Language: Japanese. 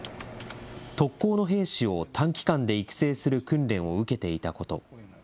特攻の兵士を短期間で育成する訓練を受けていたこと。